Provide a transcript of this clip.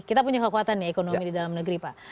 kita punya kekuatan ya ekonomi di dalam negeri pak